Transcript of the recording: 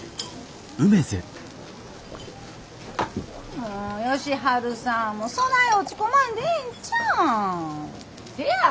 もう佳晴さんそない落ち込まんでええんちゃうん。